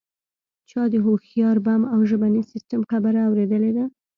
چا د هوښیار بم او ژبني سیستم خبره اوریدلې ده